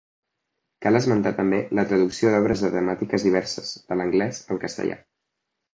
Cal esmentar també la traducció d’obres de temàtiques diverses de l'anglès al castellà.